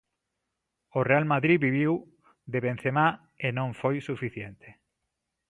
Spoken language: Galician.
O Real Madrid viviu de Benzemá e non foi suficiente.